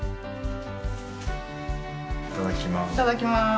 いただきます。